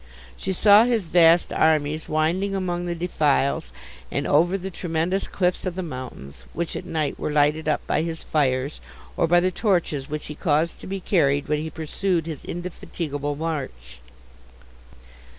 She saw his vast armies winding among the defiles, and over the tremendous cliffs of the mountains, which at night were lighted up by his fires, or by the torches which he caused to be carried when he pursued his indefatigable march.